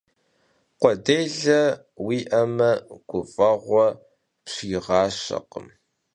Khue dêle vui'eme guf'eğue pşiğaşekhım.